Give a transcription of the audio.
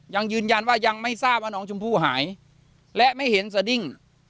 ยังยืนยันว่ายังไม่ทราบว่าน้องชมพู่หายและไม่เห็นสดิ้ง